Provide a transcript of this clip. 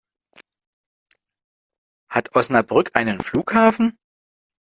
Hat Osnabrück einen Flughafen?